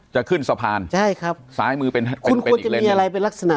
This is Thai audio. จะขึ้นสะพานใช่ครับซ้ายมือเป็นคุณควรจะมีอะไรเป็นลักษณะ